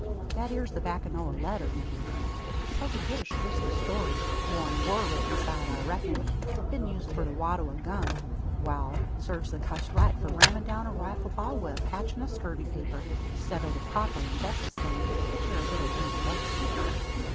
"That ere's the backin' o' a letter," muttered he. "Tells a goodish grist o' story; more'n war wrote inside, I reck'n. Been used for the wad' o' a gun! Wal; sarves the cuss right, for rammin' down a rifle ball wi' a patchin' o' scurvy paper, i'stead o' the proper an bessest thing, which air a bit o' greased buckskin."